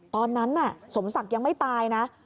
ตอนนั้นน่ะสมศักดิ์ยังไม่ตายนะ